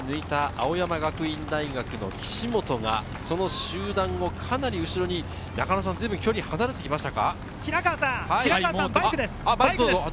５人を一気に抜いた青山学院大学の岸本がその集団をかなり後ろに、随分、距離、離れてきましたか。